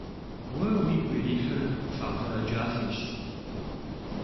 Уэ уигу ирихьыр факъырэ джафэщ.